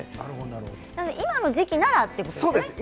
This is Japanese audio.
今の時期はということですね。